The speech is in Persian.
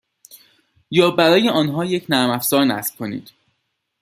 یا برای آنها یک نرم افزار نصب کنید.